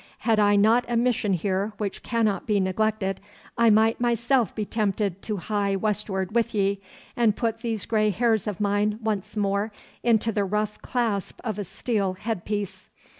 Had I not a mission here which cannot be neglected, I might myself be tempted to hie westward with ye, and put these grey hairs of mine once more into the rough clasp of a steel headpiece.